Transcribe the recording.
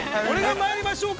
◆まいりましょうか。